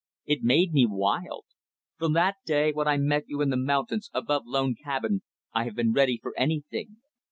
It made me wild. From that day when I met you in the mountains above Lone Cabin, I have been ready for anything.